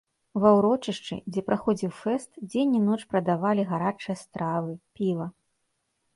Ва ўрочышчы, дзе праходзіў фэст, дзень і ноч прадавалі гарачыя стравы, піва.